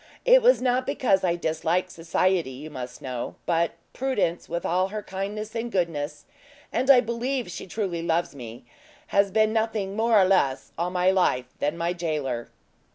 It was not because I disliked society, you must know; but Prudence, with all her kindness and goodness and I believe she truly loves me has been nothing more or less all my life than my jailer."